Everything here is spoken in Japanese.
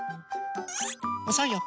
おそいよ。